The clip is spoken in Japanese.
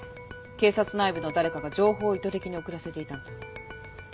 警察内部の誰かが情報を意図的に遅らせていたんだ。